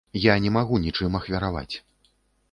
Я не магу ні чым ахвяраваць.